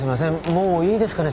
もういいですかね？